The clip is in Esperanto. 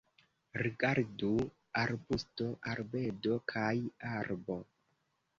Rigardu: arbusto, arbedo kaj arbo.